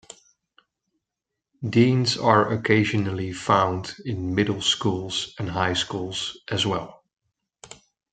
Deans are occasionally found in middle schools and high schools as well.